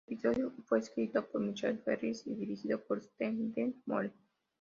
El episodio fue escrito por Michael Ferris y dirigido por Steven Dean Moore.